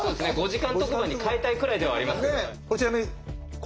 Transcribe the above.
５時間特番に変えたいくらいではありますよね。